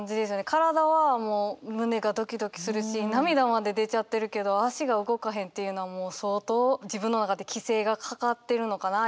体はもう胸がドキドキするし涙まで出ちゃってるけど足が動かへんっていうのはもう相当自分の中で規制がかかってるのかな？